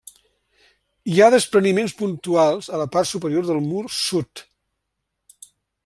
Hi ha despreniments puntuals a la part superior del mur sud.